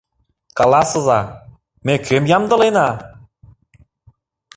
Каласыза: ме кӧм ямдылена?